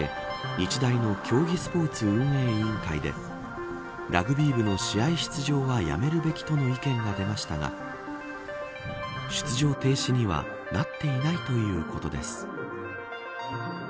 日大の競技スポーツ運営委員会でラグビー部の試合出場はやめるべきとの意見が出ましたが出場停止にはなっていないということです。